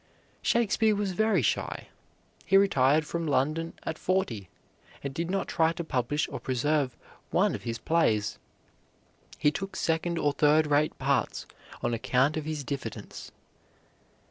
Shakespeare was very shy. He retired from London at forty, and did not try to publish or preserve one of his plays. He took second or third rate parts on account of his diffidence.